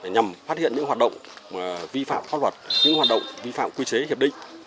nhằm phát hiện những hoạt động vi phạm pháp luật những hoạt động vi phạm quy chế hiệp định